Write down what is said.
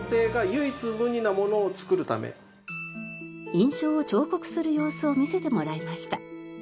印章を彫刻する様子を見せてもらいました。